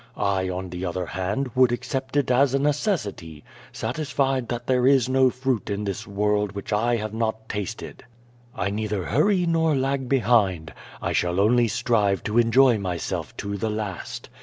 I, on the other hand, would accept it as a necessity, satisfied that there is no fruit in this world which I had not tasted. T neither hurry nor lag behind. I shall only strive to enjoy myself to the last.